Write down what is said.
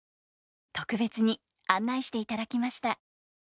特別に案内していただきました。